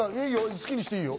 好きにしていいよ。